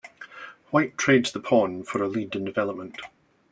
White trades the pawn for a lead in development.